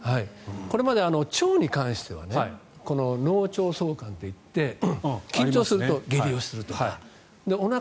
これまで腸に関しては脳腸相関といって緊張すると下痢をするとか。